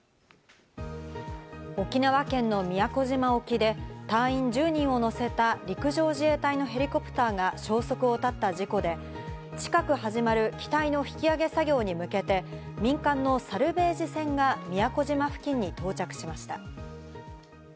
沖縄県の宮古島沖で隊員１０人を乗せた陸上自衛隊のヘリコプターが消息を絶った事故で、近く始まる機体の引き揚げ作業に向けて、民間のサルベージ船が宮古島付近に到着しました。